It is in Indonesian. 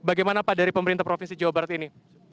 bagaimana pak dari pemerintah provinsi jawa barat ini